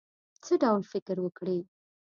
څه ډول فکر وکړی.